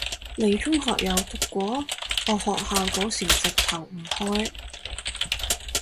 你中學有讀過？我學校嗰時直頭唔開